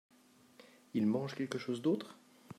Ils mangent quelque chose d'autre ?